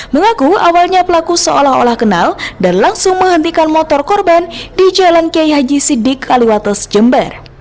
mengaku awalnya pelaku seolah olah kenal dan langsung menghentikan motor korban di jalan k h siddiq kaliwates jember